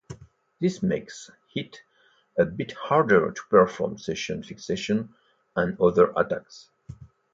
This makes it a bit harder to perform session fixation and other attacks.